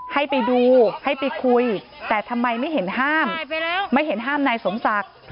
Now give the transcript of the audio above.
ให้ไปดูให้ไปคุยแต่ทำไมไม่เห็นห้ามไม่เห็นห้ามนายสมศักดิ์